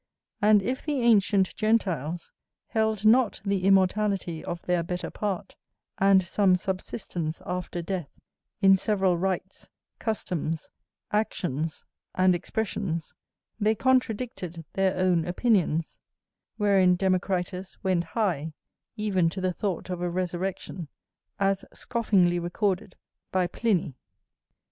And if the ancient Gentiles held not the immortality of their better part, and some subsistence after death, in several rites, customs, actions, and expressions, they contradicted their own opinions: wherein Democritus went high, even to the thought of a resurrection, as scoffingly recorded by Pliny.